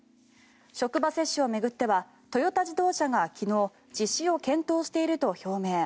職場接種を巡ってはトヨタ自動車が昨日実施を検討していると表明。